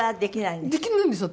できないんですよ。